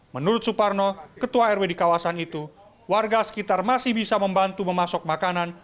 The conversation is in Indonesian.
menurut suparno ketua rw di kawasan itu warga sekitar masih bisa membantu memasuk makanan